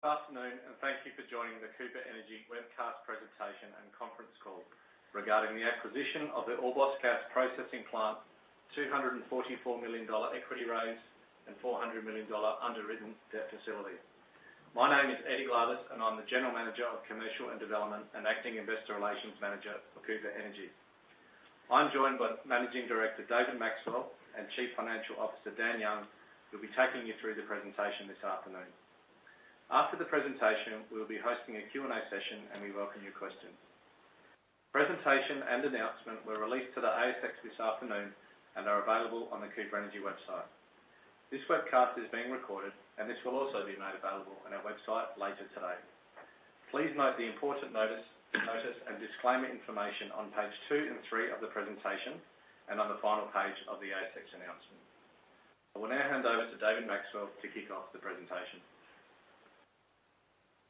Good afternoon and thank you for joining the Cooper Energy Webcast Presentation and Conference Call regarding the acquisition of the Orbost Gas Processing Plant, 244 million dollar equity raise, and 400 million dollar underwritten debt facility. My name is Eddy Glavas, and I'm the General Manager of Commercial and Development and acting Investor Relations Manager for Cooper Energy. I'm joined by Managing Director, David Maxwell, and Chief Financial Officer, Dan Young, who'll be taking you through the presentation this afternoon. After the presentation, we'll be hosting a Q&A session, and we welcome your questions. Presentation and announcement were released to the ASX this afternoon and are available on the Cooper Energy website. This webcast is being recorded, and this will also be made available on our website later today. Please note the important notice and disclaimer information on page two and three of the presentation and on the final page of the ASX announcement. I will now hand over to David Maxwell to kick off the presentation.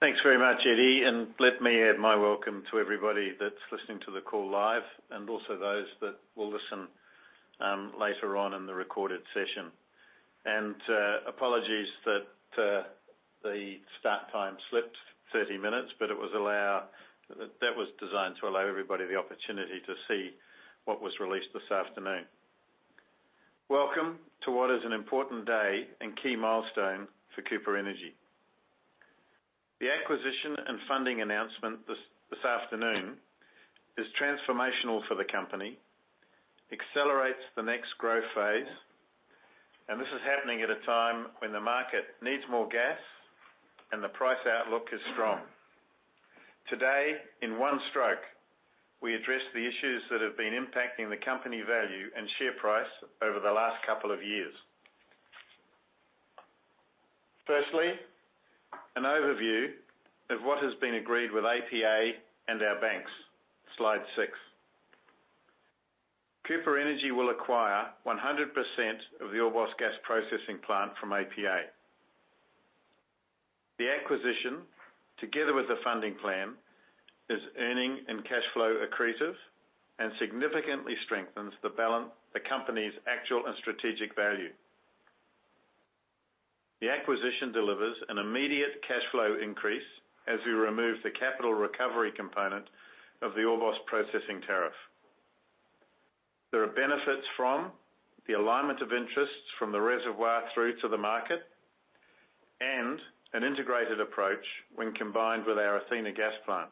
Thanks very much, Eddy, and let me add my welcome to everybody that's listening to the call live and also those that will listen later on in the recorded session. Apologies that the start time slipped 30 minutes, but that was designed to allow everybody the opportunity to see what was released this afternoon. Welcome to what is an important day and key milestone for Cooper Energy. The acquisition and funding announcement this afternoon is transformational for the company, accelerates the next growth phase, and this is happening at a time when the market needs more gas and the price outlook is strong. Today, in one stroke, we address the issues that have been impacting the company value and share price over the last couple of years. Firstly, an overview of what has been agreed with APA and our banks. Slide six. Cooper Energy will acquire 100% of the Orbost Gas Processing Plant from APA. The acquisition, together with the funding plan, is earning and cash flow accretive and significantly strengthens the balance, the company's actual and strategic value. The acquisition delivers an immediate cash flow increase as we remove the capital recovery component of the Orbost processing tariff. There are benefits from the alignment of interests from the reservoir through to the market and an integrated approach when combined with our Athena gas plant.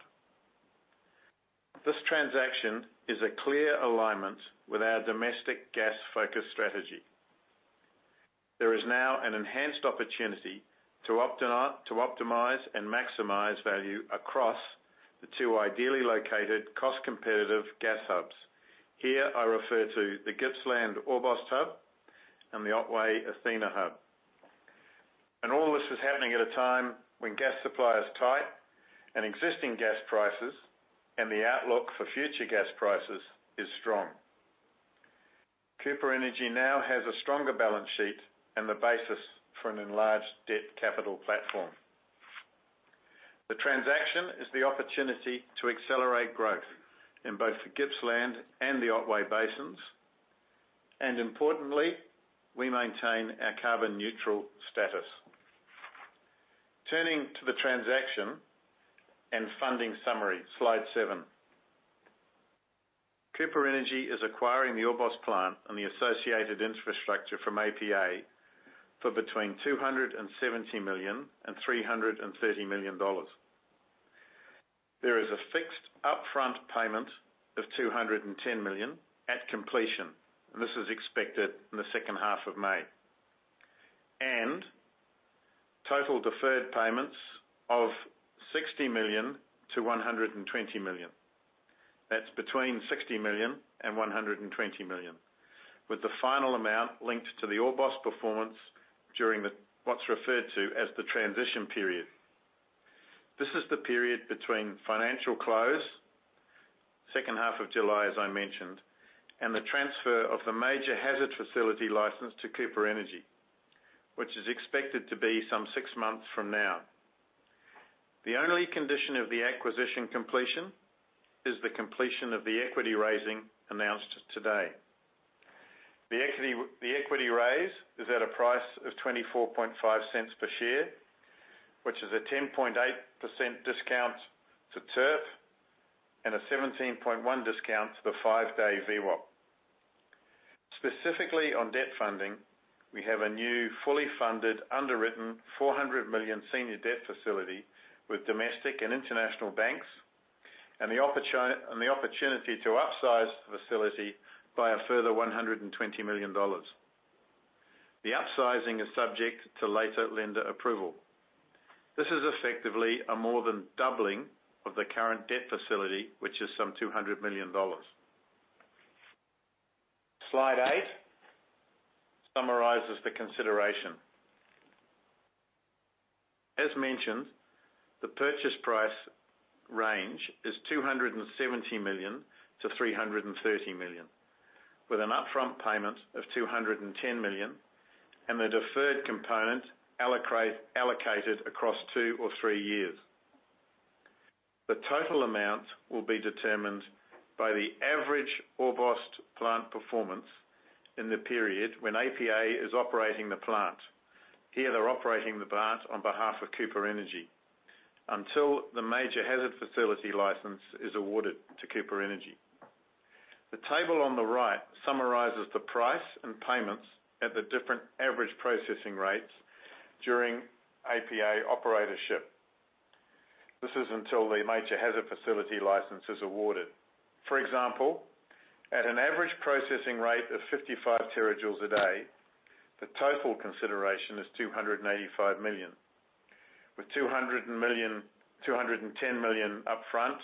This transaction is a clear alignment with our domestic gas-focused strategy. There is now an enhanced opportunity to optimize and maximize value across the two ideally located cost-competitive gas hubs. Here, I refer to the Gippsland Orbost hub and the Otway Athena hub. All this is happening at a time when gas supply is tight and existing gas prices and the outlook for future gas prices is strong. Cooper Energy now has a stronger balance sheet and the basis for an enlarged debt capital platform. The transaction is the opportunity to accelerate growth in both the Gippsland and the Otway basins, and importantly, we maintain our carbon neutral status. Turning to the transaction and funding summary. Slide seven. Cooper Energy is acquiring the Orbost plant and the associated infrastructure from APA for between 270 million and 330 million dollars. There is a fixed upfront payment of 210 million at completion. This is expected in the second half of May. Total deferred payments of 60 million to 120 million. That's between 60 million and 120 million, with the final amount linked to the Orbost performance during what's referred to as the transition period. This is the period between financial close, second half of July, as I mentioned, and the transfer of the major hazard facility license to Cooper Energy, which is expected to be some six months from now. The only condition of the acquisition completion is the completion of the equity raising announced today. The equity raise is at a price of 0.245 per share, which is a 10.8% discount to TERP and a 17.1% discount to the five-day VWAP. Specifically on debt funding, we have a new fully funded underwritten 400 million senior debt facility with domestic and international banks and the opportunity to upsize the facility by a further 120 million dollars. The upsizing is subject to later lender approval. This is effectively a more than doubling of the current debt facility, which is some 200 million dollars. Slide eight summarizes the consideration. As mentioned, the purchase price range is 270 million-330 million, with an upfront payment of 210 million and the deferred component allocated across 2 or 3 years. The total amount will be determined by the average Orbost plant performance in the period when APA is operating the plant. They're operating the plant on behalf of Cooper Energy until the major hazard facility license is awarded to Cooper Energy. The table on the right summarizes the price and payments at the different average processing rates during APA operatorship. This is until the major hazard facility license is awarded. For example, at an average processing rate of 55 terajoules a day, the total consideration is 285 million, with 210 million upfront,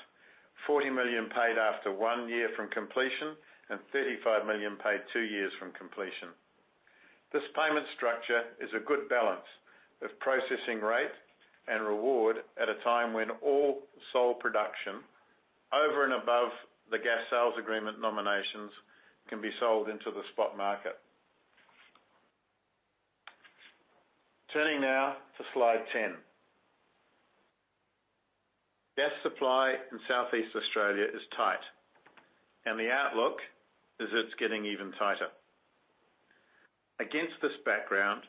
40 million paid after one year from completion, and 35 million paid two years from completion. This payment structure is a good balance of processing rate and reward at a time when all Sole production over and above the gas sales agreement nominations can be sold into the spot market. Turning now to slide 10. Gas supply in Southeast Australia is tight, and the outlook is it's getting even tighter. Against this background,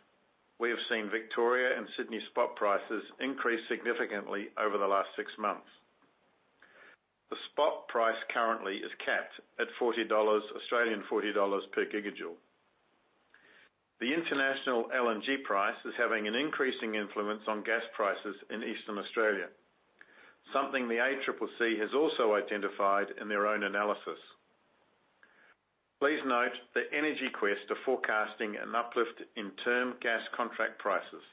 we have seen Victoria and Sydney spot prices increase significantly over the last six months. The spot price currently is capped at 40 Australian dollars Australian 40 Australian dollars per gigajoule. The international LNG price is having an increasing influence on gas prices in Eastern Australia, something the ACCC has also identified in their own analysis. Please note that EnergyQuest are forecasting an uplift in term gas contract prices,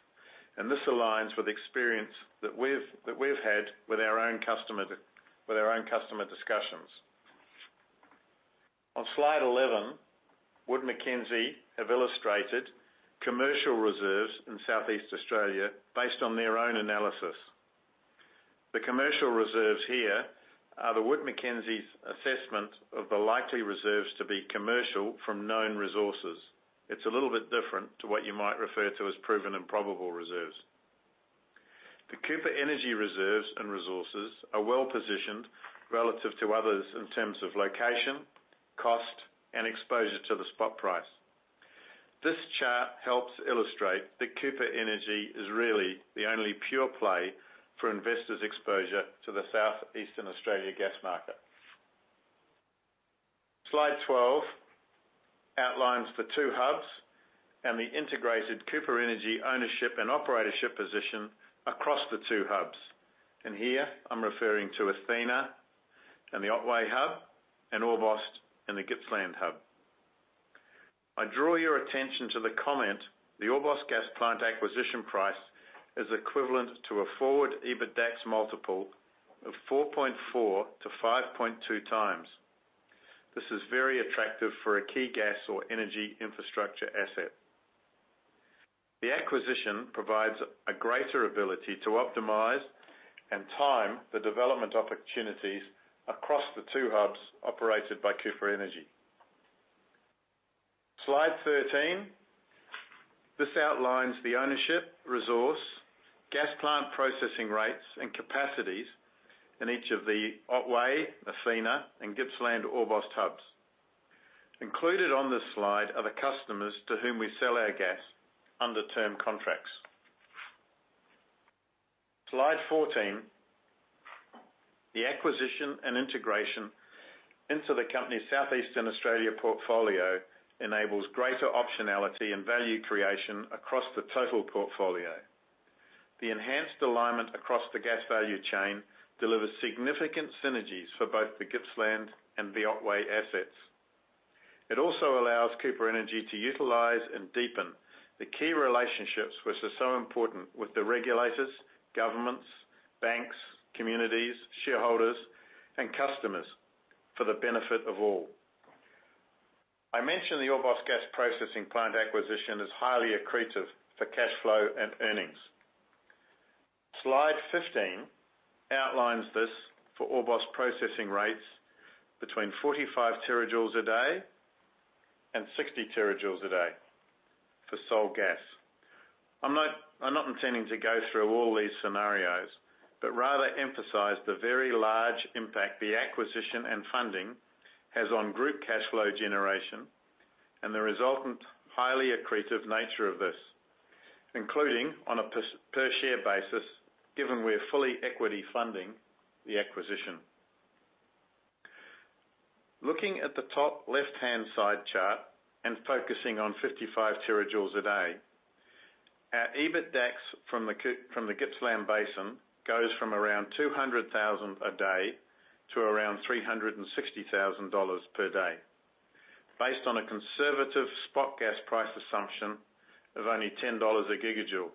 and this aligns with experience that we've had with our own customer discussions. On slide 11, Wood Mackenzie have illustrated commercial reserves in Southeast Australia based on their own analysis. The commercial reserves here are the Wood Mackenzie's assessment of the likely reserves to be commercial from known resources. It's a little bit different to what you might refer to as proven and probable reserves. The Cooper Energy reserves and resources are well-positioned relative to others in terms of location, cost, and exposure to the spot price. This chart helps illustrate that Cooper Energy is really the only pure play for investors' exposure to the Southeastern Australia gas market. Slide 12 outlines the two hubs and the integrated Cooper Energy ownership and operatorship position across the two hubs. Here, I'm referring to Athena and the Otway Hub and Orbost and the Gippsland Hub. I draw your attention to the comment, "The Orbost Gas Processing Plant acquisition price is equivalent to a forward EBITDAX multiple of 4.4x-5.2x." This is very attractive for a key gas or energy infrastructure asset. The acquisition provides a greater ability to optimize and time the development opportunities across the two hubs operated by Cooper Energy. Slide 13. This outlines the ownership, resource, gas plant processing rates, and capacities in each of the Otway, Athena, and Gippsland Orbost hubs. Included on this slide are the customers to whom we sell our gas under term contracts. Slide 14, the acquisition and integration into the company's southeastern Australia portfolio enables greater optionality and value creation across the total portfolio. The enhanced alignment across the gas value chain delivers significant synergies for both the Gippsland and the Otway assets. It also allows Cooper Energy to utilize and deepen the key relationships which are so important with the regulators, governments, banks, communities, shareholders, and customers for the benefit of all. I mentioned the Orbost Gas Processing Plant acquisition is highly accretive for cash flow and earnings. Slide 15 outlines this for Orbost processing rates between 45 terajoules a day and 60 terajoules a day for Sole gas. I'm not intending to go through all these scenarios, but rather emphasize the very large impact the acquisition and funding has on group cash flow generation and the resultant highly accretive nature of this, including on a per share basis, given we're fully equity funding the acquisition. Looking at the top left-hand side chart and focusing on 55 terajoules a day, our EBITDAX from the Gippsland Basin goes from around 200,000 a day to around 360,000 dollars per day. Based on a conservative spot gas price assumption of only 10 dollars a gigajoule.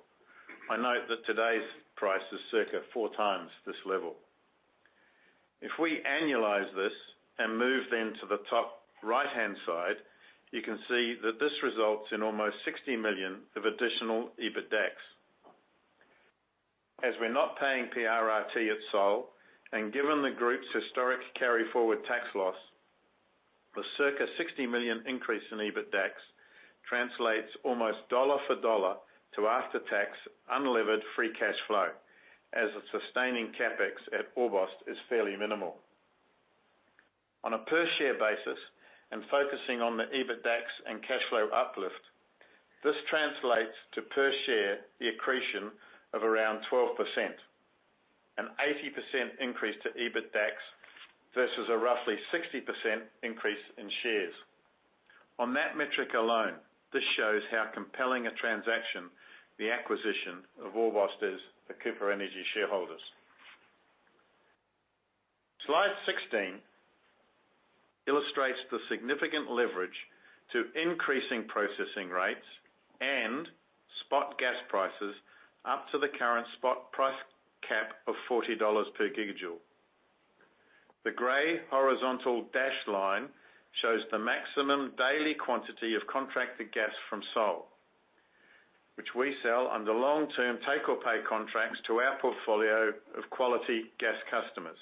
I note that today's price is circa four times this level. If we annualize this and move, then, to the top right-hand side, you can see that this results in almost 60 million of additional EBITDAX. As we're not paying PRRT at Sole, and given the group's historic carry forward tax loss. The circa 60 million increase in EBITDAX translates almost dollar for dollar to after-tax unlevered free cash flow as a sustaining CapEx at Orbost is fairly minimal. On a per share basis and focusing on the EBITDAX and cash flow uplift, this translates, per share, to the accretion of around 12%. An 80% increase to EBITDAX versus a roughly 60% increase in shares. On that metric alone, this shows how compelling a transaction the acquisition of Orbost is for Cooper Energy shareholders. Slide 16 illustrates the significant leverage to increasing processing rates and spot gas prices up to the current spot price cap of 40 dollars per gigajoule. The gray horizontal dashed line shows the maximum daily quantity of contracted gas from Sole, which we sell under long-term take-or-pay contracts to our portfolio of quality gas customers.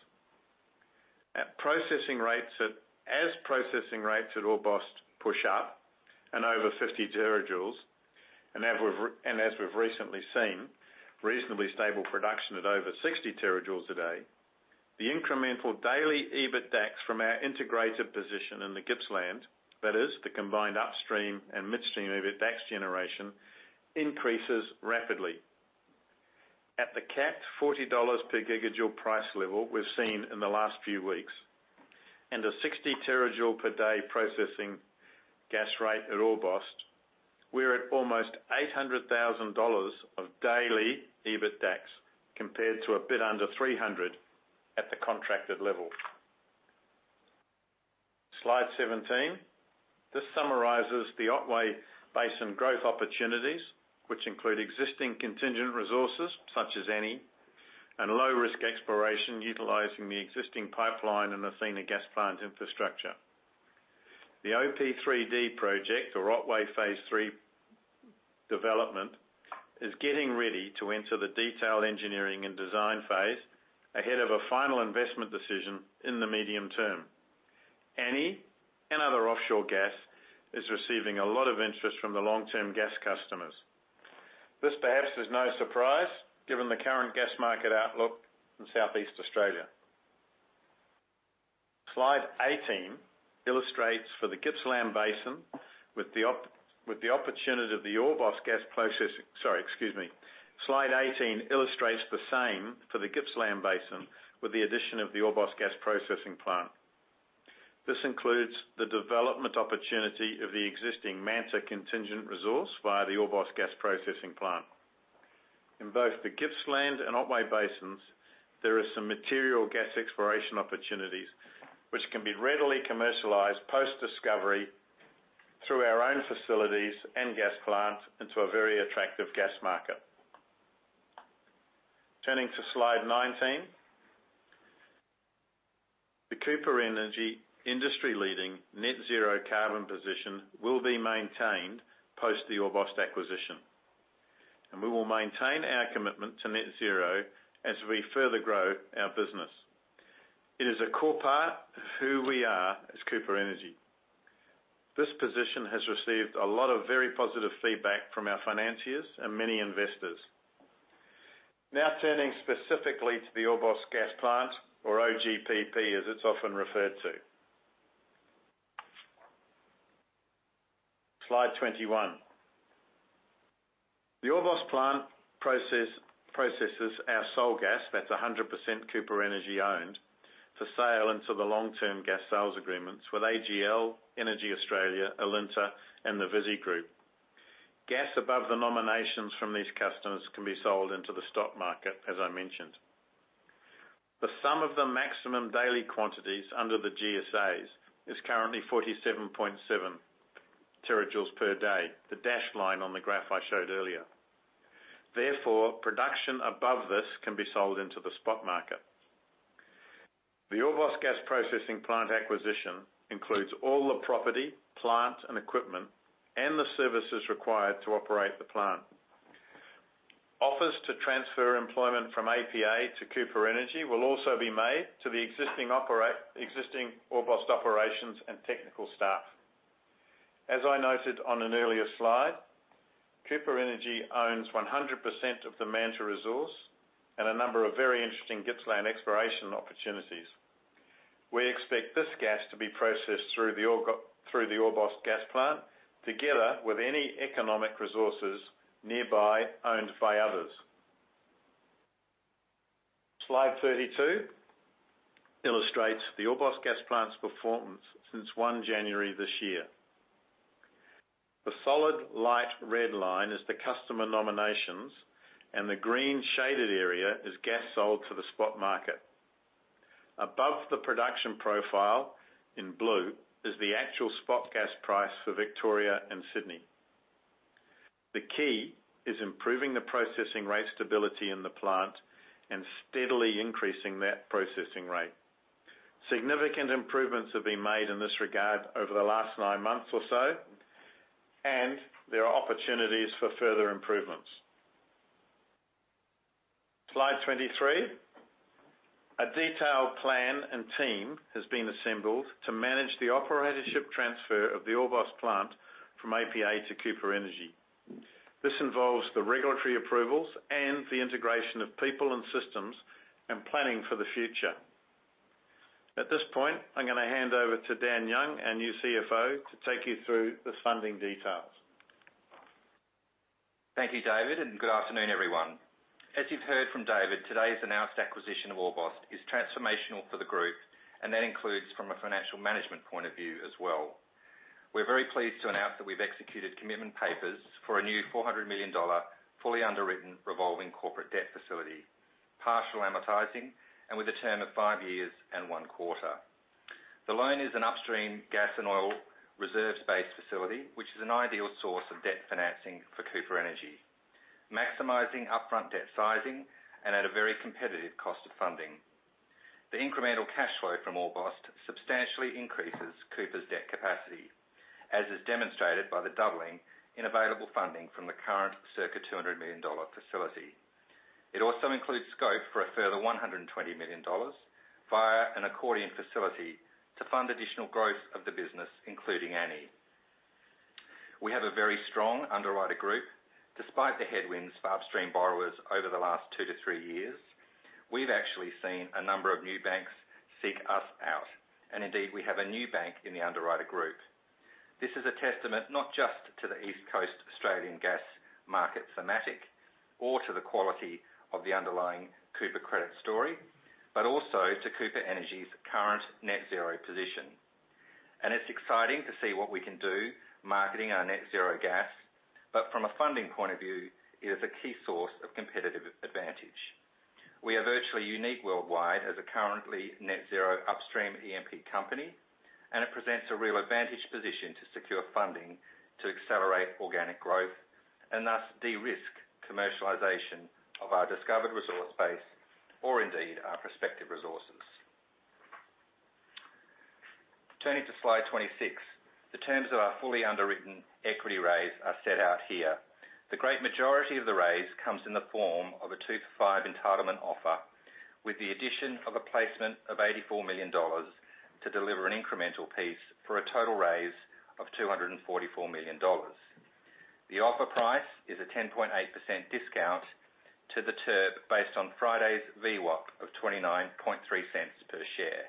As processing rates at Orbost push up and over 50 terajoules, and as we've recently seen, reasonably stable production at over 60 terajoules a day, the incremental daily EBITDAX from our integrated position in the Gippsland, that is the combined upstream and midstream EBITDAX generation, increases rapidly. At the capped 40 dollars per gigajoule price level we've seen in the last few weeks and a 60 terajoule per day processing gas rate at Orbost, we're at almost 800,000 dollars of daily EBITDAX compared to a bit under 300,000 at the contracted level. Slide 17. This summarizes the Otway Basin growth opportunities, which include existing contingent resources such as Annie and low-risk exploration utilizing the existing pipeline and Athena gas plant infrastructure. The OP3D project or Otway phase III Development is getting ready to enter the detailed engineering and design phase ahead of a final investment decision in the medium term. Annie and other offshore gas is receiving a lot of interest from the long-term gas customers. This perhaps is no surprise given the current gas market outlook in Southeast Australia. Slide 18 illustrates the same for the Gippsland Basin with the addition of the Orbost Gas Processing Plant. This includes the development opportunity of the existing Manta contingent resource via the Orbost Gas Processing Plant. In both the Gippsland and Otway Basins, there are some material gas exploration opportunities which can be readily commercialized post-discovery through our own facilities and gas plants into a very attractive gas market. Turning to slide 19. The Cooper Energy industry-leading net zero carbon position will be maintained post the Orbost acquisition, and we will maintain our commitment to net zero as we further grow our business. It is a core part of who we are as Cooper Energy. This position has received a lot of very positive feedback from our financiers and many investors. Now, turning specifically to the Orbost Gas Processing Plant or OGPP as it's often referred to. Slide 21. The Orbost plant processes our Sole gas that's 100% Cooper Energy-owned for sale into the long-term gas sales agreements with AGL, EnergyAustralia, Alinta, and the Visy Group. Gas above the nominations from these customers can be sold into the stock market, as I mentioned. The sum of the maximum daily quantities under the GSAs is currently 47.7 terajoules per day, the dashed line on the graph I showed earlier. Therefore, production above this can be sold into the spot market. The Orbost Gas Processing Plant acquisition includes all the property, plant, and equipment, and the services required to operate the plant. Offers to transfer employment from APA to Cooper Energy will also be made to the existing Orbost operations and technical staff. As I noted on an earlier slide, Cooper Energy owns 100% of the Manta resource and a number of very interesting Gippsland exploration opportunities. We expect this gas to be processed through the Orbost gas plant, together with any economic resources nearby owned by others. Slide 32 illustrates the Orbost gas plant's performance since 1 January this year. The solid light red line is the customer nominations, and the green shaded area is gas sold to the spot market. Above the production profile in blue is the actual spot gas price for Victoria and Sydney. The key is improving the processing rate stability in the plant and steadily increasing that processing rate. Significant improvements have been made in this regard over the last 9 months or so, and there are opportunities for further improvements. Slide 23. A detailed plan and team has been assembled to manage the operatorship transfer of the Orbost plant from APA to Cooper Energy. This involves the regulatory approvals and the integration of people and systems, and planning for the future. At this point, I'm gonna hand over to Dan Young, our new CFO, to take you through this funding details. Thank you, David, and good afternoon, everyone. As you've heard from David, today's announced acquisition of Orbost is transformational for the group, and that includes from a financial management point of view as well. We're very pleased to announce that we've executed commitment papers for a new 400 million dollar, fully underwritten revolving corporate debt facility, partial amortizing, and with a term of five years and one quarter. The loan is an upstream gas and oil reserve-based facility, which is an ideal source of debt financing for Cooper Energy, maximizing upfront debt sizing and at a very competitive cost of funding. The incremental cash flow from Orbost substantially increases Cooper's debt capacity, as is demonstrated by the doubling in available funding from the current circa 200 million dollar facility. It also includes scope for a further 120 million dollars via an accordion facility to fund additional growth of the business, including Annie. We have a very strong underwriter group. Despite the headwinds for upstream borrowers over the last 2-3 years, we've actually seen a number of new banks seek us out. Indeed, we have a new bank in the underwriter group. This is a testament not just to the East Coast Australian gas market thematic or to the quality of the underlying Cooper credit story, but also to Cooper Energy's current net zero position. It's exciting to see what we can do marketing our net zero gas, but from a funding point of view, it is a key source of competitive advantage. We are virtually unique worldwide as a currently net zero upstream E&P company, and it presents a real advantage position to secure funding to accelerate organic growth and thus de-risk commercialization of our discovered resource base, or indeed our prospective resources. Turning to slide 26, the terms of our fully underwritten equity raise are set out here. The great majority of the raise comes in the form of a two-for-five entitlement offer, with the addition of a placement of 84 million dollars to deliver an incremental piece for a total raise of 244 million dollars. The offer price is a 10.8% discount to the TERP based on Friday's VWAP of 0.293 per share,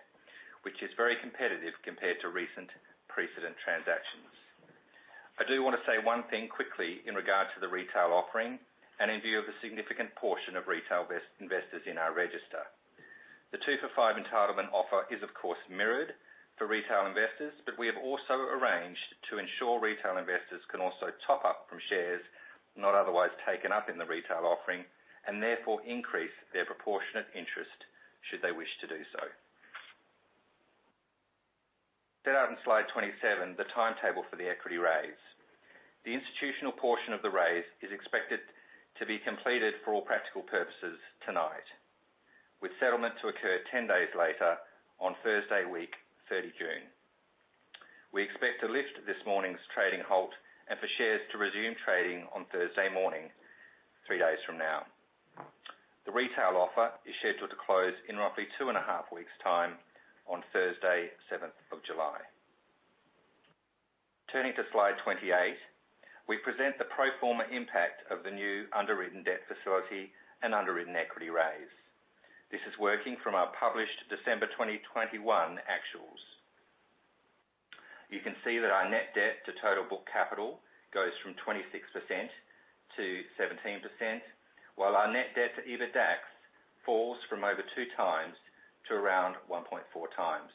which is very competitive compared to recent precedent transactions. I do wanna say one thing quickly in regards to the retail offering and in view of a significant portion of retail vested investors in our register. The two-for-five entitlement offer is of course mirrored for retail investors, but we have also arranged to ensure retail investors can also top up from shares not otherwise taken up in the retail offering and therefore increase their proportionate interest should they wish to do so. Set out in slide 27, the timetable for the equity raise. The institutional portion of the raise is expected to be completed for all practical purposes tonight, with settlement to occur 10 days later on Thursday week, 30 June. We expect to lift this morning's trading halt and for shares to resume trading on Thursday morning, three days from now. The retail offer is scheduled to close in roughly two and a half weeks time on Thursday, seventh of July. Turning to slide 28, we present the pro forma impact of the new underwritten debt facility and underwritten equity raise. This is working from our published December 2021 actuals. You can see that our net debt to total book capital goes from 26% to 17%, while our net debt to EBITDA falls from over 2 times to around 1.4 times.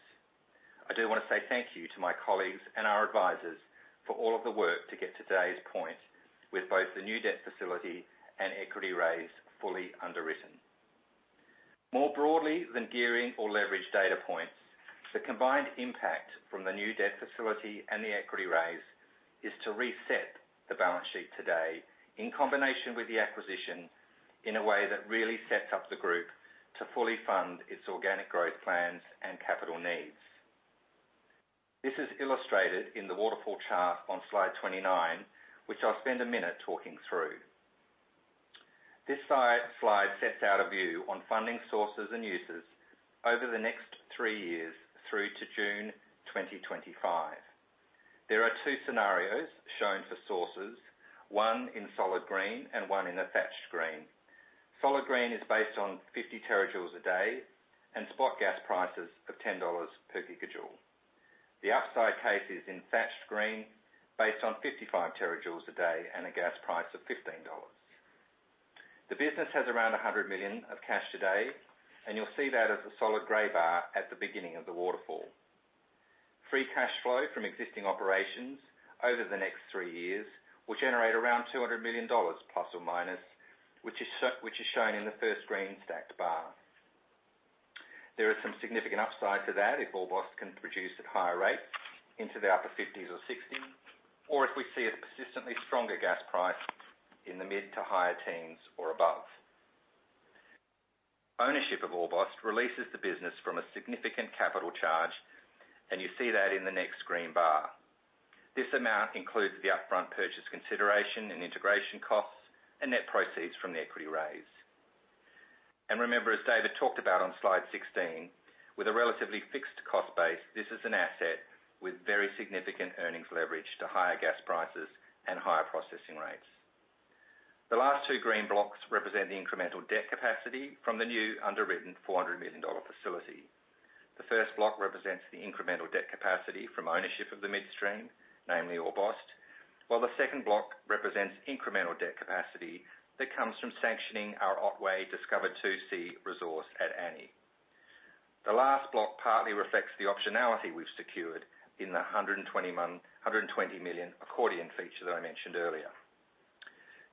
I do wanna say thank you to my colleagues and our advisors for all of the work to get today's point with both the new debt facility and equity raise fully underwritten. More broadly than gearing or leverage data points, the combined impact from the new debt facility and the equity raise is to reset the balance sheet today in combination with the acquisition in a way that really sets up the group to fully fund its organic growth plans and capital needs. This is illustrated in the waterfall chart on slide 29, which I'll spend a minute talking through. This slide sets out a view on funding sources and uses over the next three years through to June 2025. There are two scenarios shown for sources, one in solid green and one in a hatched green. Solid green is based on 50 terajoules a day and spot gas prices of 10 dollars per gigajoule. The upside case is in hatched green based on 55 terajoules a day and a gas price of 15 dollars. The business has around 100 million of cash today, and you'll see that as a solid gray bar at the beginning of the waterfall. Free cash flow from existing operations over the next three years will generate around 200 million dollars plus or minus, which is shown in the first green stacked bar. There is some significant upside to that if Orbost can produce at higher rates into the upper fifties or sixties, or if we see a persistently stronger gas price in the mid- to higher teens or above. Ownership of Orbost releases the business from a significant capital charge, and you see that in the next green bar. This amount includes the upfront purchase consideration and integration costs and net proceeds from the equity raise. Remember, as David talked about on slide 16, with a relatively fixed cost base, this is an asset with very significant earnings leverage to higher gas prices and higher processing rates. The last two green blocks represent the incremental debt capacity from the new underwritten 400 million dollar facility. The first block represents the incremental debt capacity from ownership of the midstream, namely Orbost. While the second block represents incremental debt capacity that comes from sanctioning our Otway discovered 2C resource at Annie. The last block partly reflects the optionality we've secured in the 120 million accordion feature that I mentioned earlier.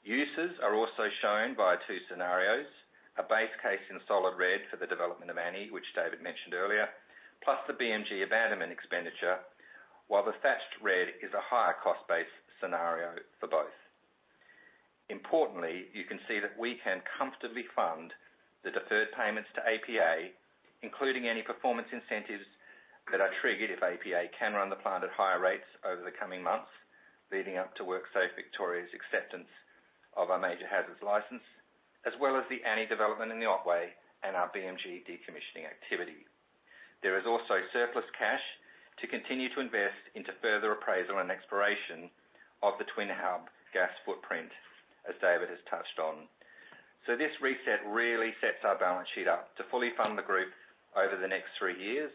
Uses are also shown by two scenarios, a base case in solid red for the development of Annie, which David mentioned earlier, plus the BMG abandonment expenditure. While the hatched red is a higher cost-based scenario for both. Importantly, you can see that we can comfortably fund the deferred payments to APA, including any performance incentives that are triggered if APA can run the plant at higher rates over the coming months, leading up to WorkSafe Victoria's acceptance of our Major Hazard Facility license, as well as the Annie development in the Otway and our BMG decommissioning activity. There is also surplus cash to continue to invest into further appraisal and exploration of the Twin Hub gas footprint, as David has touched on. This reset really sets our balance sheet up to fully fund the group over the next three years,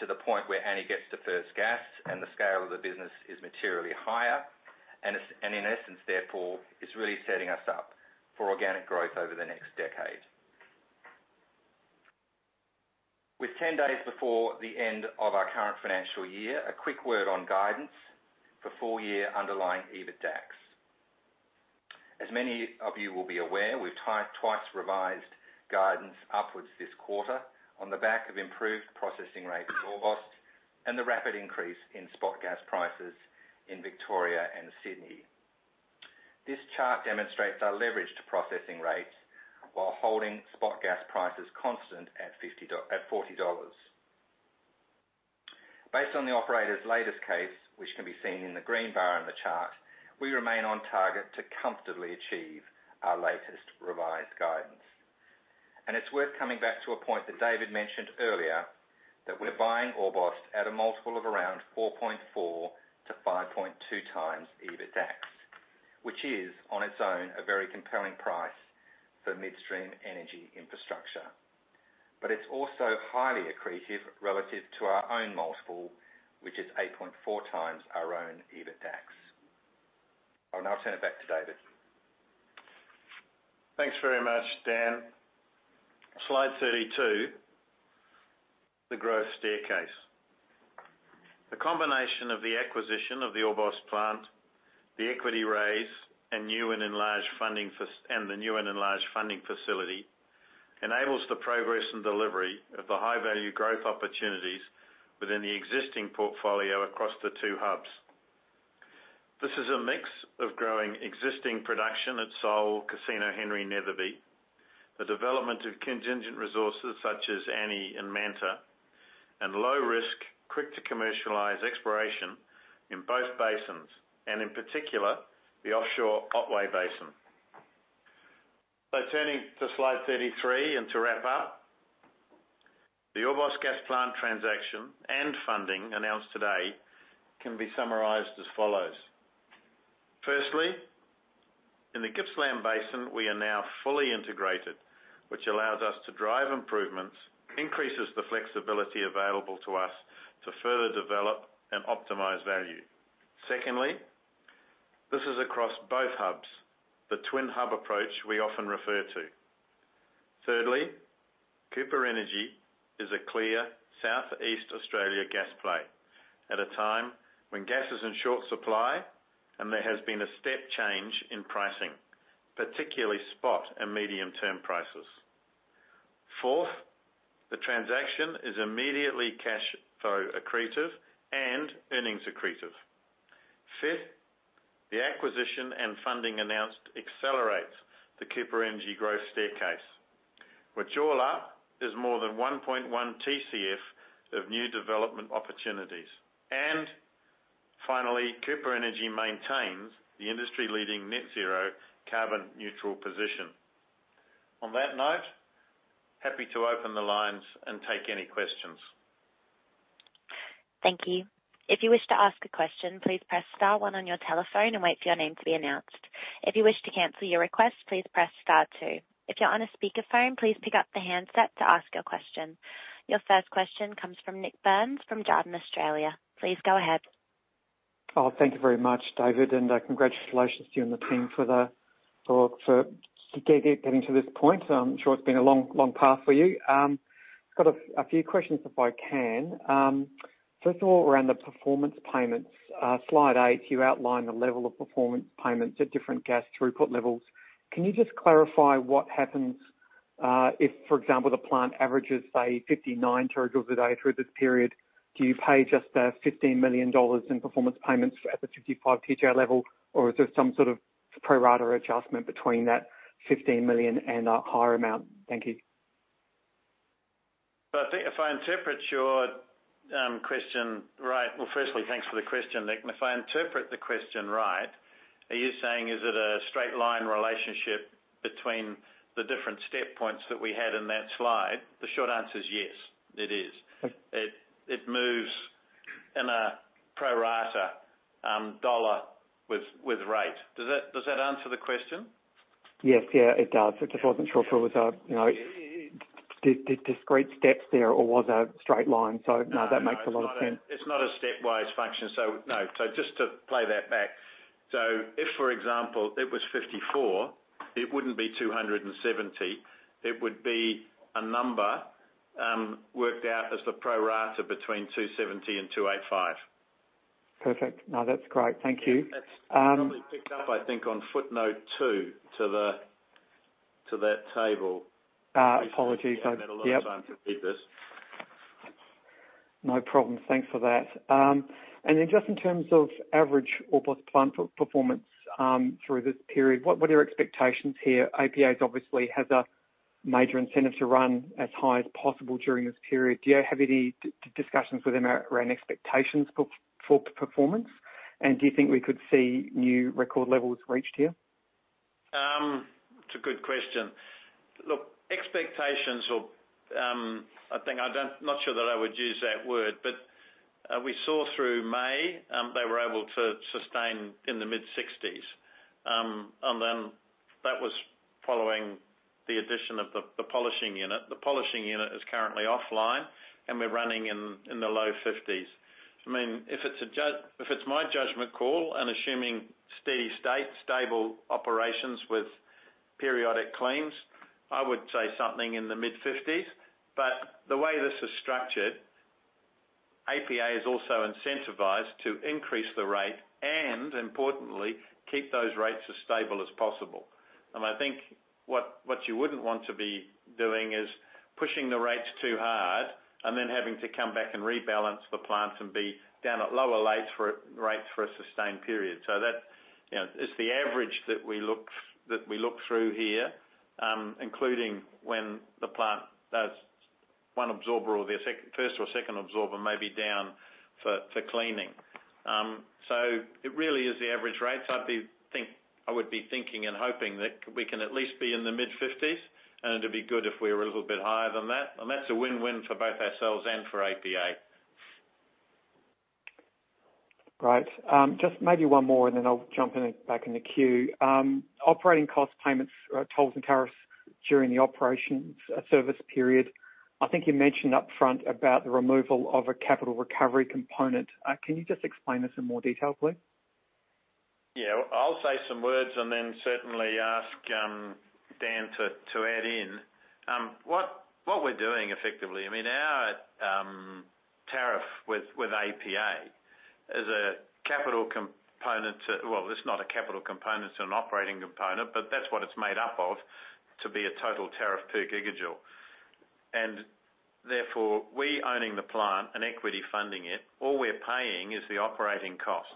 to the point where Annie gets to first gas and the scale of the business is materially higher, and in essence, therefore, is really setting us up for organic growth over the next decade. With 10 days before the end of our current financial year, a quick word on guidance for full-year underlying EBITDAX. As many of you will be aware, we've twice revised guidance upwards this quarter on the back of improved processing rates at Orbost and the rapid increase in spot gas prices in Victoria and Sydney. This chart demonstrates our leverage to processing rates while holding spot gas prices constant at 40 dollars. Based on the operator's latest case, which can be seen in the green bar in the chart, we remain on target to comfortably achieve our latest revised guidance. It's worth coming back to a point that David mentioned earlier, that we're buying Orbost at a multiple of around 4.4x-5.2x EBITDAX, which is, on its own, a very compelling price for midstream energy infrastructure. It's also highly accretive relative to our own multiple, which is 8.4x our own EBITDAX. I'll now turn it back to David. Thanks very much, Dan. Slide 32, the growth staircase. The combination of the acquisition of the Orbost plant, the equity raise, and the new and enlarged funding facility enables the progress and delivery of the high-value growth opportunities within the existing portfolio across the two hubs. This is a mix of growing existing production at Sole, Casino, Henry, Netherby. The development of contingent resources such as Annie and Manta, and low risk, quick to commercialize exploration in both basins, and in particular, the offshore Otway Basin. Turning to slide 33 and to wrap up. The Orbost gas plant transaction and funding announced today can be summarized as follows. Firstly, in the Gippsland Basin, we are now fully integrated, which allows us to drive improvements, increases the flexibility available to us to further develop and optimize value. Secondly, this is across both hubs, the Twin Hub approach we often refer to. Thirdly, Cooper Energy is a clear Southeast Australia gas play at a time when gas is in short supply and there has been a step change in pricing, particularly spot and medium-term prices. Fourth, the transaction is immediately cash flow accretive and earnings accretive. Fifth, the acquisition and funding announced accelerates the Cooper Energy growth staircase, which all up is more than 1.1 TCF of new development opportunities. Finally, Cooper Energy maintains the industry-leading net zero carbon neutral position. On that note, happy to open the lines and take any questions. Thank you. If you wish to ask a question, please press star one on your telephone and wait for your name to be announced. If you wish to cancel your request, please press star two. If you're on a speakerphone, please pick up the handset to ask your question. Your first question comes from Nik Burns from Jarden Australia. Please go ahead. Oh, thank you very much, David. Congratulations to you and the team for getting to this point. I'm sure it's been a long path for you. I've got a few questions if I can. First of all, around the performance payments. Slide eight, you outline the level of performance payments at different gas throughput levels. Can you just clarify what happens if, for example, the plant averages, say 59 terajoules a day through this period? Do you pay just 15 million dollars in performance payments at the 55 TJ level? Or is there some sort of pro-rata adjustment between that 15 million and a higher amount? Thank you. Well, firstly, thanks for the question, Nik. If I interpret the question right, are you saying is it a straight line relationship between the different step points that we had in that slide? The short answer is yes, it is. Okay. It moves in a pro rata dollar with rate. Does that answer the question? Yes. Yeah, it does. I just wasn't sure if it was a, you know, discrete steps there or was a straight line. No, that makes a lot of sense. No, it's not a stepwise function. No. Just to play that back. If, for example, it was 54, it wouldn't be 270, it would be a number worked out as the pro rata between 270 and 285. Perfect. No, that's great. Thank you. That's probably picked up, I think, on footnote two to that table. Apologies. I didn't have a lot of time to read this. No problem. Thanks for that. And then just in terms of average throughput performance through this period, what are your expectations here? APA obviously has a major incentive to run as high as possible during this period. Do you have any discussions with them around expectations for performance? Do you think we could see new record levels reached here? It's a good question. Look, expectations or, I think not sure that I would use that word, but we saw through May, they were able to sustain in the mid-60s. That was following the addition of the polishing unit. The polishing unit is currently offline, and we're running in the low 50s. I mean, if it's my judgment call and assuming steady state, stable operations with periodic claims, I would say something in the mid-50s. The way this is structured, APA is also incentivized to increase the rate and importantly, keep those rates as stable as possible. I think what you wouldn't want to be doing is pushing the rates too hard and then having to come back and rebalance the plants and be down at lower rates for a sustained period. That's, you know, it's the average that we look through here, including when the plant does one absorber or the first or second absorber may be down for cleaning. It really is the average rates. I would be thinking and hoping that we can at least be in the mid-fifties, and it'd be good if we were a little bit higher than that. That's a win-win for both ourselves and for APA. Great. Just maybe one more and then I'll jump in, back in the queue. Operating cost payments, tolls and tariffs during the operations service period. I think you mentioned upfront about the removal of a capital recovery component. Can you just explain this in more detail, please? Yeah. I'll say some words and then certainly ask Dan to add in. What we're doing effectively, I mean, our tariff with APA is a capital component. Well, it's not a capital component, it's an operating component, but that's what it's made up of to be a total tariff per gigajoule. Therefore, we owning the plant and equity funding it, all we're paying is the operating cost.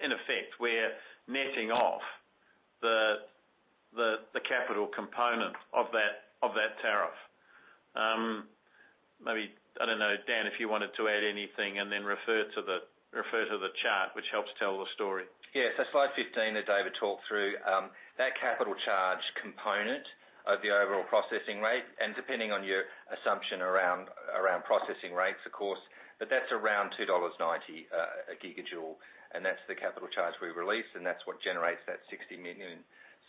In effect, we're netting off the capital component of that tariff. Maybe, I don't know, Dan, if you wanted to add anything and then refer to the chart, which helps tell the story. Slide 15 that David talked through, that capital charge component of the overall processing rate, and depending on your assumption around processing rates, of course, but that's around 2.90 dollars a gigajoule, and that's the capital charge we released, and that's what generates that 60 million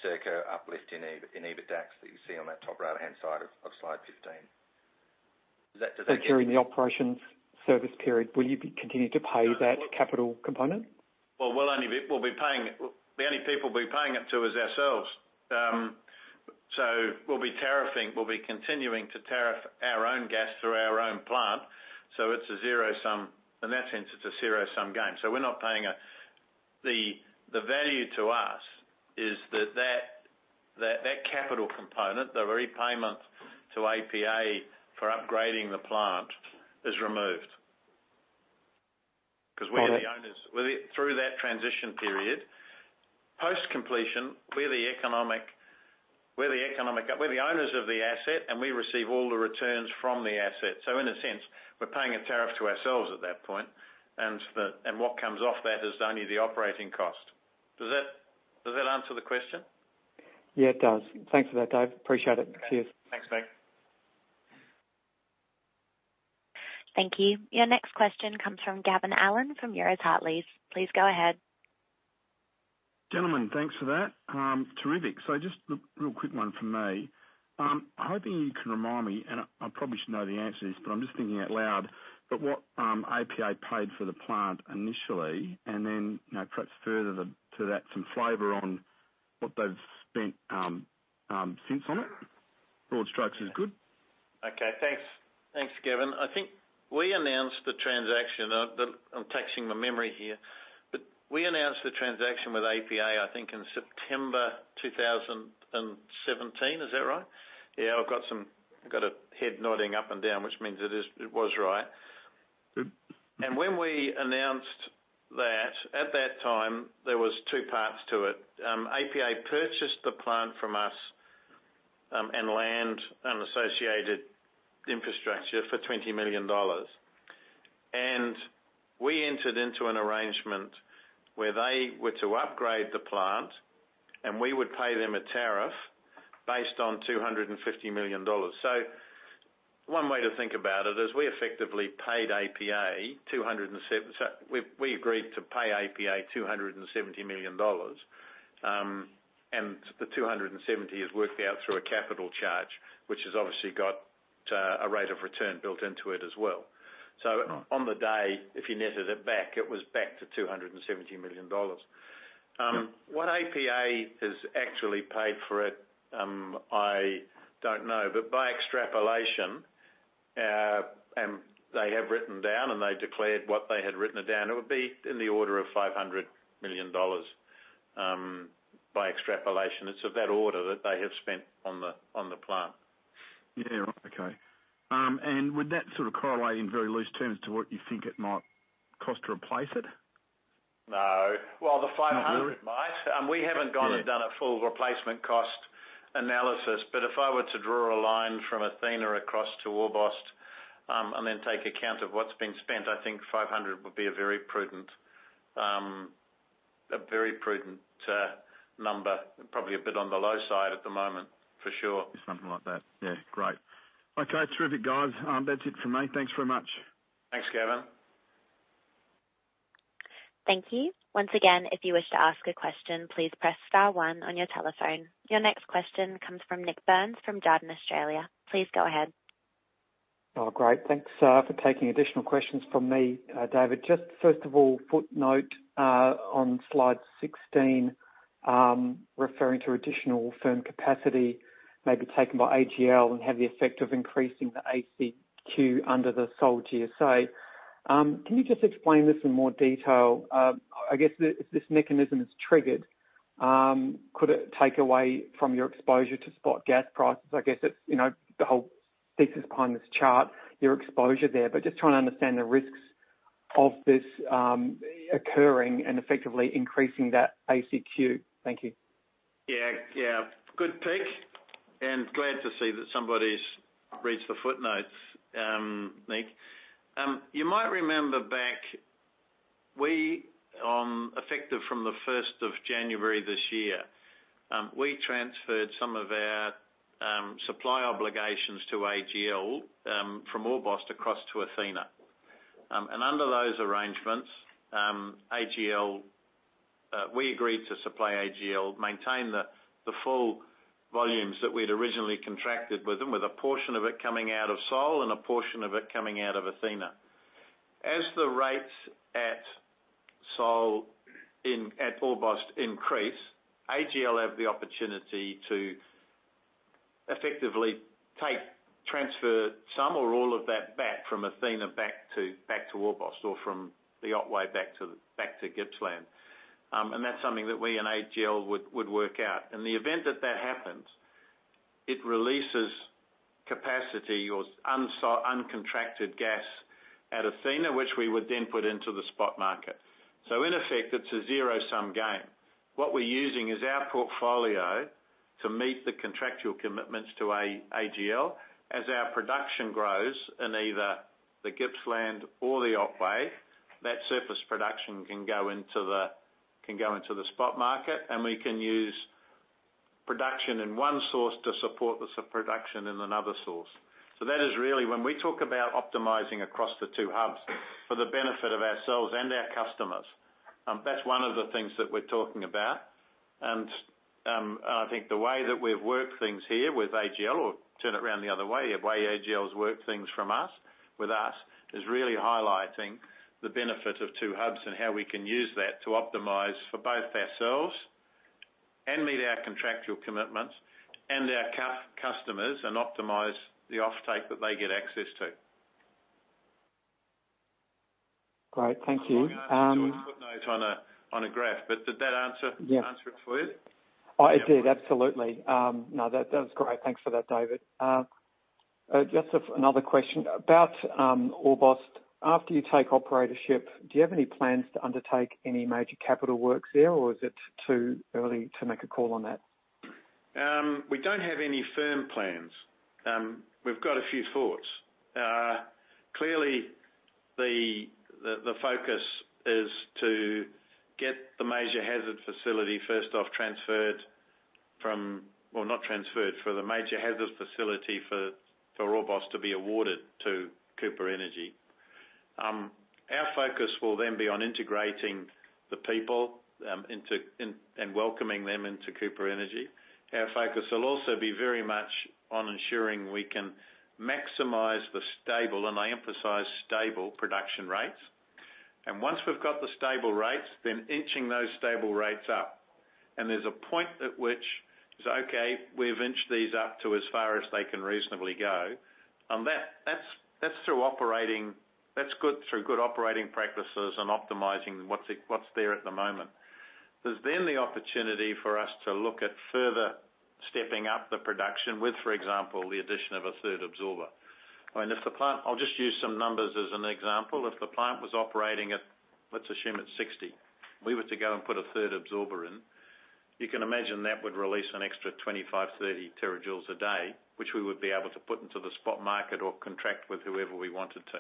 circa uplift in EBITDA that you see on that top right-hand side of slide 15. Does that. During the operations service period, will you be continuing to pay that capital component? Well, we'll be paying. The only people we'll be paying it to is ourselves. We'll be continuing to tariff our own gas through our own plant. It's a zero-sum. In that sense, it's a zero-sum game. We're not paying a. The value to us is that capital component, the repayment to APA for upgrading the plant is removed because we're the owners. Got it. Through that transition period. Post-completion, we're the owners of the asset, and we receive all the returns from the asset. In a sense, we're paying a tariff to ourselves at that point. What comes off that is only the operating cost. Does that answer the question? Yeah, it does. Thanks for that, Dave. Appreciate it. Cheers. Thanks, Nik. Thank you. Your next question comes from Gavin Allen from Euroz Hartleys. Please go ahead. Gentlemen, thanks for that. Terrific. Just a real quick one from me. Hoping you can remind me, and I probably should know the answer to this, but I'm just thinking out loud. What APA paid for the plant initially, and then, you know, perhaps further to that, some flavor on what they've spent since on it. Broad strokes is good. Okay, thanks. Thanks, Gavin. I think we announced the transaction. I'm taxing my memory here, but we announced the transaction with APA, I think, in September 2017. Is that right? Yeah, I've got a head nodding up and down, which means it was right. When we announced that, at that time, there were two parts to it. APA purchased the plant from us, and land and associated infrastructure for 20 million dollars. We entered into an arrangement where they were to upgrade the plant, and we would pay them a tariff based on 250 million dollars. One way to think about it is we effectively paid APA. We agreed to pay APA 270 million dollars. 270 is worked out through a capital charge, which has obviously got a rate of return built into it as well. Right. On the day, if you netted it back, it was back to 270 million dollars. Yeah. What APA has actually paid for it, I don't know. By extrapolation, they have written down, and they declared what they had written it down, it would be in the order of 500 million dollars, by extrapolation. It's of that order that they have spent on the plant. Yeah. Okay. Would that sort of correlate in very loose terms to what you think it might cost to replace it? No. Well, the 500 might. Not really. Yeah. We haven't gone and done a full replacement cost analysis, but if I were to draw a line from Athena across to Orbost, and then take account of what's been spent, I think 500 would be a very prudent number. Probably a bit on the low side at the moment, for sure. Something like that. Yeah. Great. Okay. Terrific, guys. That's it for me. Thanks very much. Thanks, Gavin. Thank you. Once again, if you wish to ask a question, please press star one on your telephone. Your next question comes from Nik Burns from Jarden Australia. Please go ahead. Oh, great. Thanks for taking additional questions from me, David. Just first of all, footnote on slide 16, referring to additional firm capacity may be taken by AGL and have the effect of increasing the ACQ under the Sole GSA. Can you just explain this in more detail? I guess if this mechanism is triggered, could it take away from your exposure to spot gas prices? I guess it's, you know, the whole thesis behind this chart, your exposure there, but just trying to understand the risks of this occurring and effectively increasing that ACQ. Thank you. Yeah. Good pick, glad to see that somebody's read the footnotes, Nik. You might remember back, we effective from the first of January this year, we transferred some of our supply obligations to AGL from Orbost across to Athena. Under those arrangements, AGL, we agreed to supply AGL maintain the full volumes that we'd originally contracted with them, with a portion of it coming out of Sole and a portion of it coming out of Athena. As the rates at Sole at Orbost increase, AGL have the opportunity to effectively take transfer some or all of that back from Athena back to Orbost or from the Otway back to Gippsland. That's something that we and AGL would work out. In the event that happens, it releases capacity or uncontracted gas at Athena, which we would then put into the spot market. In effect, it's a zero-sum game. What we're using is our portfolio to meet the contractual commitments to AGL. As our production grows in either the Gippsland or the Otway, that surplus production can go into the spot market, and we can use production in one source to support the production in another source. That is really when we talk about optimizing across the two hubs for the benefit of ourselves and our customers, that's one of the things that we're talking about. I think the way that we've worked things here with AGL or turn it around the other way, the way AGL's worked things from us, with us, is really highlighting the benefit of two hubs and how we can use that to optimize for both ourselves and meet our contractual commitments and our customers, and optimize the offtake that they get access to. Great. Thank you. I know I shouldn't put notes on a graph, but did that answer? Yeah. Answer it for you? Oh, it did. Absolutely. No, that was great. Thanks for that, David. Just another question. About Orbost. After you take operatorship, do you have any plans to undertake any major capital works there, or is it too early to make a call on that? We don't have any firm plans. We've got a few thoughts. Clearly the focus is to get the Major Hazard Facility first off transferred from... Well, not transferred. For the Major Hazard Facility for Orbost to be awarded to Cooper Energy. Our focus will then be on integrating the people into and welcoming them into Cooper Energy. Our focus will also be very much on ensuring we can maximize the stable, and I emphasize stable, production rates. Once we've got the stable rates, then inching those stable rates up. There's a point at which it's okay, we've inched these up to as far as they can reasonably go. That's through operating, that's good, through good operating practices and optimizing what's there at the moment. There's the opportunity for us to look at further stepping up the production with, for example, the addition of a third absorber. If the plant was operating at, let's assume it's 60, we were to go and put a third absorber in, you can imagine that would release an extra 25-30 terajoules a day, which we would be able to put into the spot market or contract with whoever we wanted to.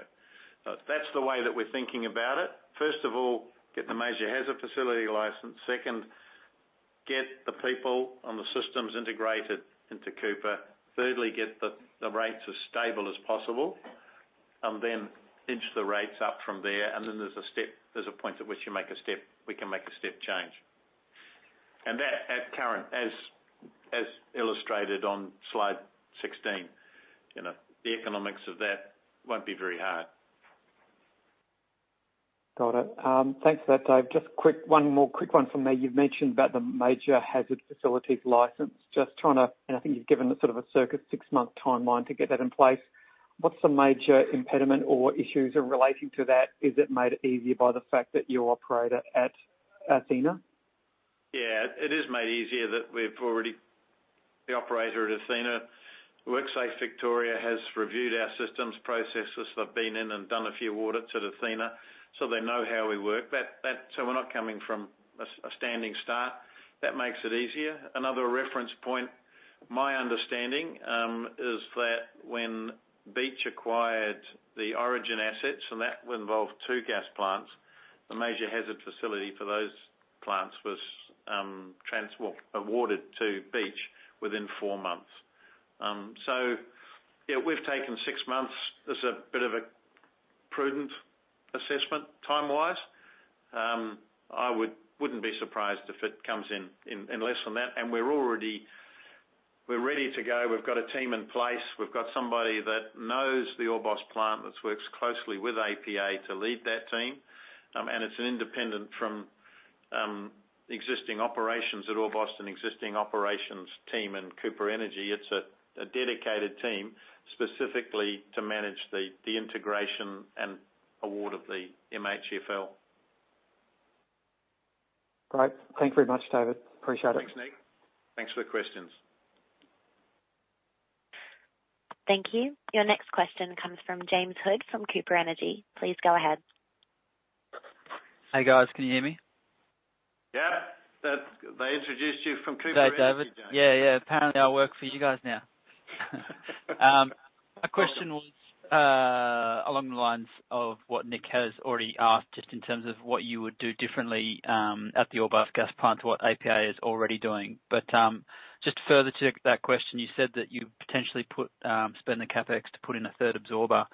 That's the way that we're thinking about it. First of all, get the Major Hazard Facility license. Second, get the people on the systems integrated into Cooper. Thirdly, get the rates as stable as possible, then inch the rates up from there, and then there's a step. There's a point at which you make a step. We can make a step change. That at current, as illustrated on slide 16, you know, the economics of that won't be very hard. Got it. Thanks for that, Dave. Just quick. One more quick one from me. You've mentioned about the Major Hazard Facility license. Just trying to, and I think you've given a sort of a circa six-month timeline to get that in place. What's the major impediment or issues in relating to that? Is it made easier by the fact that you operate it at Athena? Yeah, it is made easier that we've already the operator at Athena. WorkSafe Victoria has reviewed our systems, processes. They've been in and done a few audits at Athena, so they know how we work. We're not coming from a standing start. That makes it easier. Another reference point, my understanding, is that when Beach acquired the Origin assets, and that would involve two gas plants, the Major Hazard Facility for those plants was awarded to Beach within 4 months. So yeah, we've taken 6 months. There's a bit of a prudent assessment time-wise. I wouldn't be surprised if it comes in less than that. We're ready to go. We've got a team in place. We've got somebody that knows the Orbost plant, that works closely with APA to lead that team. It's an independent from existing operations at Orbost and existing operations team and Cooper Energy. It's a dedicated team specifically to manage the integration and award of the MHFL. Great. Thank you very much, David. Appreciate it. Thanks, Nik. Thanks for the questions. Thank you. Your next question comes from James Hood from Cooper Energy. Please go ahead. Hey, guys. Can you hear me? Yeah. They introduced you from Cooper Energy. Is that David? Yeah, yeah. Apparently, I work for you guys now. My question was along the lines of what Nik has already asked, just in terms of what you would do differently at the Orbost gas plant, what APA is already doing. Just further to that question, you said that you potentially spend the CapEx to put in a third absorber.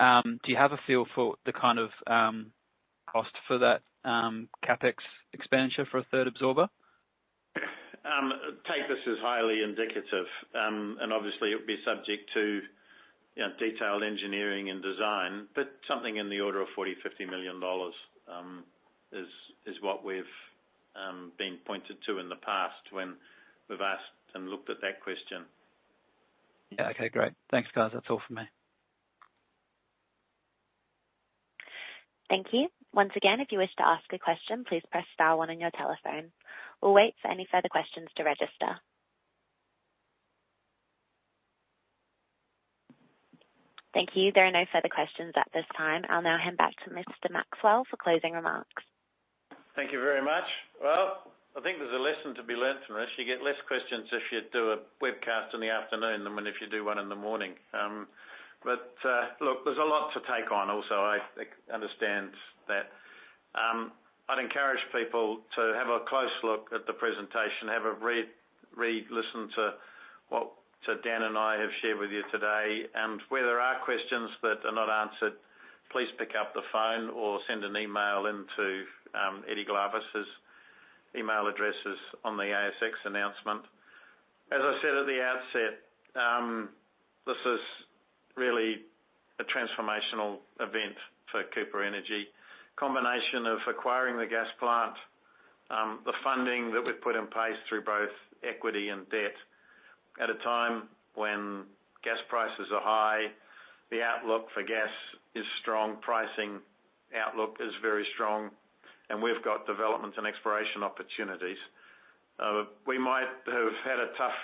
Do you have a feel for the kind of cost for that CapEx expenditure for a third absorber? Take this as highly indicative, and obviously, it would be subject to, you know, detailed engineering and design. Something in the order of 40 million-50 million dollars is what we've been pointed to in the past when we've asked and looked at that question. Yeah. Okay, great. Thanks, guys. That's all for me. Thank you. Once again, if you wish to ask a question, please press star one on your telephone. We'll wait for any further questions to register. Thank you. There are no further questions at this time. I'll now hand back to Mr. Maxwell for closing remarks. Thank you very much. Well, I think there's a lesson to be learned from this. You get less questions if you do a webcast in the afternoon than when if you do one in the morning. Look, there's a lot to take on, also I understand that. I'd encourage people to have a close look at the presentation, have a read, listen to what to Dan, and I have shared with you today. Where there are questions that are not answered, please pick up the phone or send an email into, Eddy Glavas' email address is on the ASX announcement. As I said at the outset, this is really a transformational event for Cooper Energy. Combination of acquiring the gas plant, the funding that we've put in place through both equity and debt at a time when gas prices are high, the outlook for gas is strong, pricing outlook is very strong, and we've got development and exploration opportunities. We might have had a tough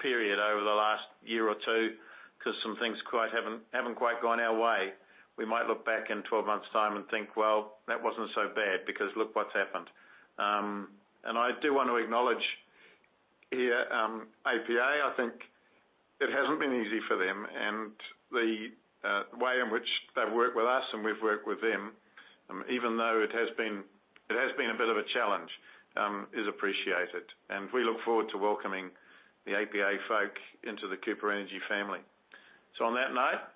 period over the last year or two 'cause some things haven't quite gone our way. We might look back in 12 months time and think, "Well, that wasn't so bad because look what's happened." I do want to acknowledge here, APA. I think it hasn't been easy for them and the way in which they've worked with us and we've worked with them, even though it has been a bit of a challenge, is appreciated. We look forward to welcoming the APA folk into the Cooper Energy family. On that note, thanks very much.